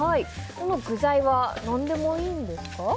この具材は何でもいいんですか？